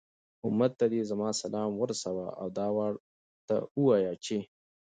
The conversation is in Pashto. أمت ته دي زما سلام ورسوه، او دا ورته ووايه چې